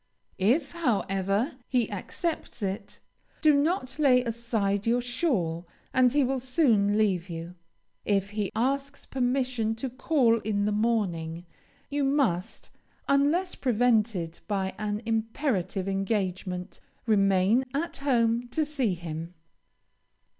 If, however, he accepts it, do not lay aside your shawl, and he will soon leave you. If he asks permission to call in the morning, you must, unless prevented by an imperative engagement, remain at home to see him.